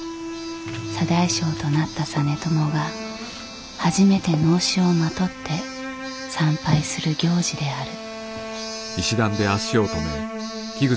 左大将となった実朝が初めて直衣をまとって参拝する行事である。